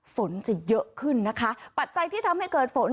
ฝนจะเยอะขึ้นนะคะปัจจัยที่ทำให้เกิดฝน